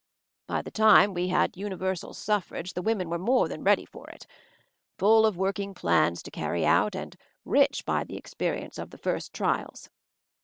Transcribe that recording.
' "By the time we had universal suffrage / the women were more than ready for it, full of working plans to carry out, and rich by the experience of the first trials.